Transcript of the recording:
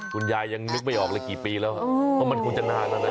คุณยายยังนึกไม่ออกเลยกี่ปีแล้วเพราะมันคงจะนานแล้วนะ